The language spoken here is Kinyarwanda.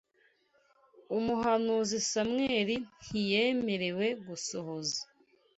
umuhanuzi Samweli ntiyemerewe gusohoza